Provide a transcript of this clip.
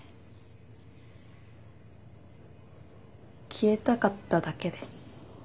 消えたかっただけで。